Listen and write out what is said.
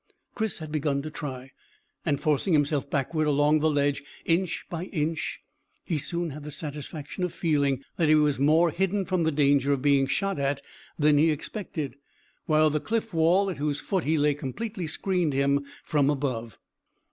Chris had begun to try, and forcing himself backward along the ledge inch by inch, he soon had the satisfaction of feeling that he was more hidden from the danger of being shot at than he expected, while the cliff wall at whose foot he lay completely screened him from above.